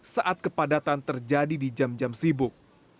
saat kepadatan terjadi di jam jam sibuk